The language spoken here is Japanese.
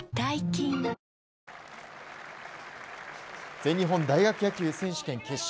全日本大学野球選手権決勝。